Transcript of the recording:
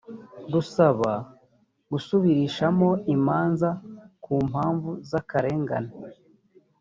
rusaba gusubirishamo imanza ku mpamvu z akarengane